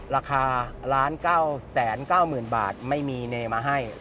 ราคาร้านเก้าแสนเก้าหมื่นบาทไม่มีในมาให้